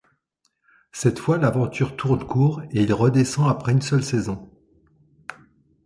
Cette fois, l'aventure tourne court et il redescend après une seule saison.